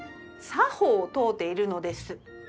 作法を問うているのです。